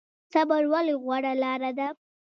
صبر ولې غوره لاره ده؟